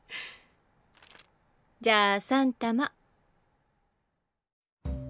じゃあ３玉。